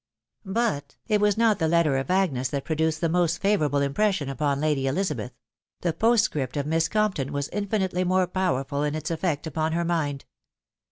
But it was not the letter of Agnes that produced the most favourable impression upon Lady Elizabeth ; the postscript of Miss Compton was infinitely more powerful in its effect upon her mind.